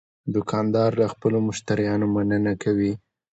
دوکاندار له خپلو مشتریانو مننه کوي.